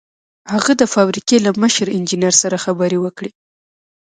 هغه د فابریکې له مشر انجنیر سره خبرې وکړې